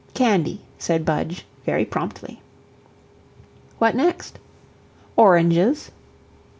"Candy," said Budge, very promptly. "What next?" "Oranges."